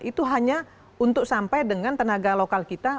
itu hanya untuk sampai dengan tenaga lokal kita